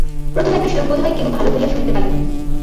প্রথম একটা শ্লোক বোধ হয় কেহ ভালো করিয়া শুনিতে পাইল না।